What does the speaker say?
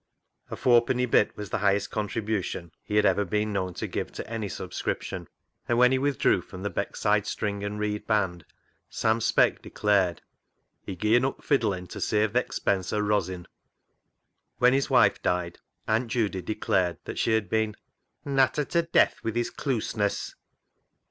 A fourpenny bit was the highest contribution he had ever been known to give to any subscription, and when he with drew from the Beckside string and reed band Sam Speck declared he " gien up fiddlin' to save th' expense o' rozzin." When his wife died, Aunt Judy declared that she had been " nattered to death wi' his cluseness."